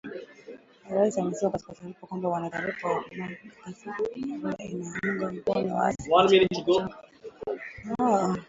Rais amesema katika taarifa kwamba “wana taarifa za kuaminika sana kwamba Rwanda inaunga mkono waasi", katika mikutano kadhaa ambayo imefanyika